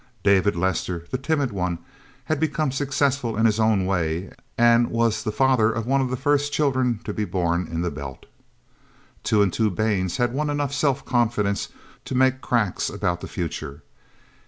David Lester, the timid one, had become successful in his own way, and was the father of one of the first children to be born in the Belt. Two and Two Baines had won enough self confidence to make cracks about the future.